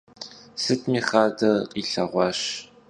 Sıtmi xader khilheğuaş.